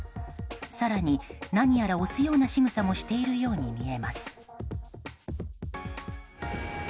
更に何やら押すようなしぐさもしているように見えます。